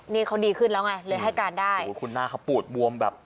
นี่เขาดีขึ้นแล้วไงเลยให้การได้โอ้โหคุณหน้าเขาปูดบวมแบบ